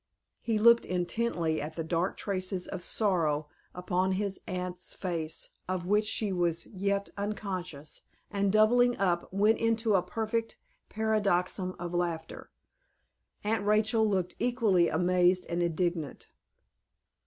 He looked intently at the dark traces of sorrow upon his aunt's face, of which she was yet unconscious and doubling up, went into a perfect paroxysm of laughter. Aunt Rachel looked equally amazed and indignant.